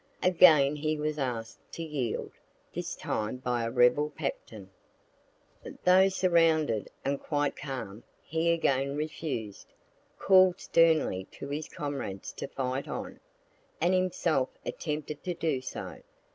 Again he was ask'd to yield, this time by a rebel captain. Though surrounded, and quite calm, he again refused, call'd sternly to his comrades to fight on, and himself attempted to do so.